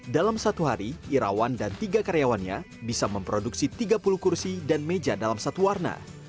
dalam satu hari irawan dan tiga karyawannya bisa memproduksi tiga puluh kursi dan meja dalam satu warna